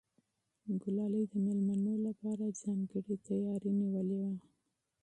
ګلالۍ د مېلمنو لپاره ځانګړی تیاری نیولی و.